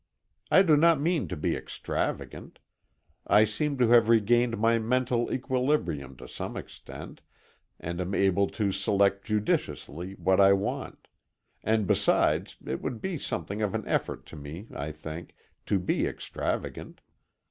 I do not mean to be extravagant. I seem to have regained my mental equilibrium to some extent, and am able to select judiciously what I want; and besides it would be something of an effort to me, I think, to be extravagant.